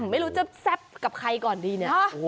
ไม่รู้จะแซ่บกับใครก่อนดีเนี่ย